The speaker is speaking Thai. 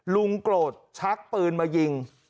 ลุงโกรธชักปืนมายิง